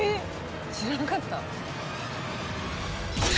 知らなかった。